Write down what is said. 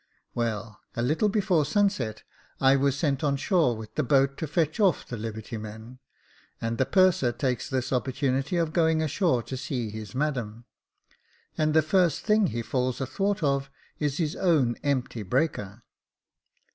Well, a little before sunset, I was sent on shore with the boat to fetch off the liberty men, and the purser takes this opportunity of going ashore to see his madam, and the first thing he falls athwart of is his own empty breaker.